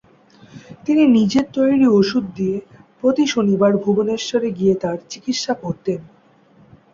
তিনি নিজের তৈরি ওষুধ দিয়ে প্রতি শনিবার ভুবনেশ্বর গিয়ে তার চিকিৎসা করতেন।